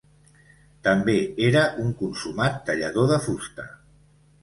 També era un consumat tallador de fusta.